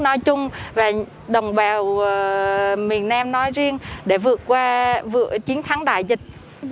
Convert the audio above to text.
nói chung và đồng bào miền nam nói riêng để vượt qua chiến thắng đại dịch